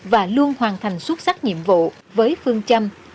và luôn hoàn thành xuất sắc nhiệm vụ với phương châm